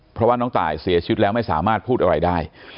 เพราะว่าน้องตายเสียชีวิตแล้วไม่สามารถพูดอะไรได้